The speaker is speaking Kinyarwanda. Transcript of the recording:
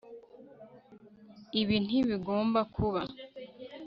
ibi ntibigomba kuba